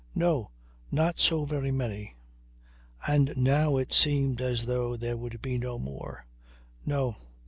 No, not so very many. And now it seemed as though there would be no more. No!